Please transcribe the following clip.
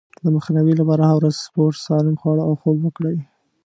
د مخنيوي لپاره هره ورځ سپورت، سالم خواړه او خوب وکړئ.